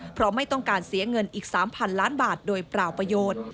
เพราะไม่ต้องการเสียเงินอีก๓๐๐๐ล้านบาทโดยเปล่าประโยชน์